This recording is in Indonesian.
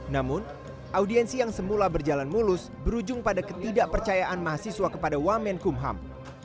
namun audiensi yang semula berjalan mulus berujung pada ketidakpercayaan mahasiswa kepada wamen kumham